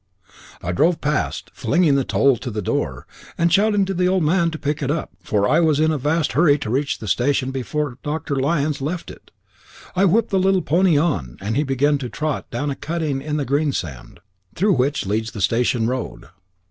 I drove past, flinging the toll to the door, and shouting to the old man to pick it up, for I was in a vast hurry to reach the station before Dr. Lyons left it. I whipped the little pony on, and he began to trot down a cutting in the greensand, through which leads the station road.